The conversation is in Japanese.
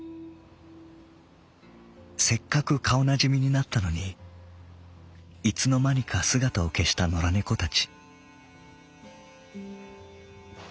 せっかく顔なじみになったのにいつのまにか姿を消した野良猫たち」。